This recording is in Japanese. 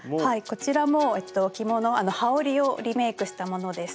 こちらも着物羽織をリメイクしたものです。